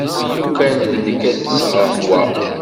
Lukan d nekk ad d-sɣeɣ wa.